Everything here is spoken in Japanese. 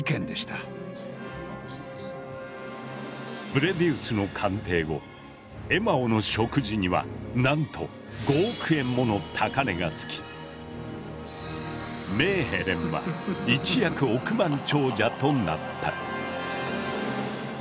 ブレディウスの鑑定後「エマオの食事」にはなんと５億円もの高値がつきメーヘレンは一躍億万長者となった。